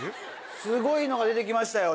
すごいのが出て来ましたよ